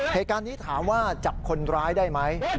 เหตุการณ์นี้ถามว่าจับคนร้ายได้ไหม